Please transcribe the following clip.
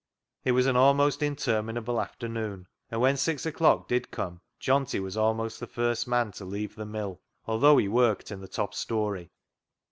It was an almost interminable afternoon, and when six o'clock did come Johnty was almost the first man to leave the mill, although he worked in the top storey.